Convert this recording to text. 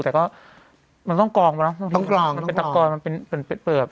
แต่ก็มันต้องกรองป่ะเนอะต้องกรองต้องกรองมันเป็นเป็นเป็ดเปลือก